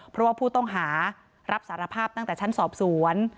เพราะว่าผู้ต้องหารับสารภาพตั้งแต่ชั้นสอบสวน